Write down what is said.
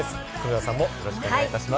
黒田さんもよろしくお願いいたします。